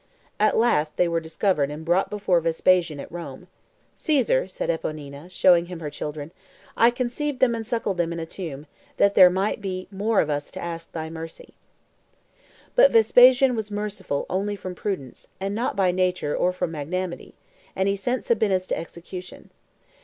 At last they were discovered and brought before Vespasian at Rome: "Caesar," said Eponina, showing him her children, "I conceived them and suckled them in a tomb, that there might be more of us to ask thy mercy." [Illustration: Eponina and Sabinus hidden in a Vault 97] But Vespasian was merciful only from prudence, and not by nature or from magnanimity; and he sent Sabinus to execution.